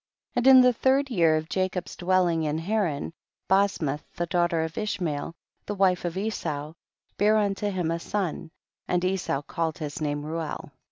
17. And in the third year of Ja cob's dwelling in Haran, Bosmath, the daughter of Ishmael, the wife of Esau, bare unto him a son, and Esau called his name Reuel.